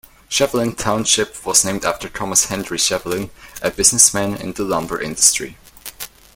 Shevlin Township was named after Thomas Henry Shevlin, a businessman in the lumber industry.